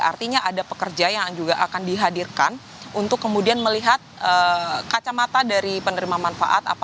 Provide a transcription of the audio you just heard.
artinya ada pekerja yang juga akan dihadirkan untuk kemudian melihat kacamata dari penerima manfaat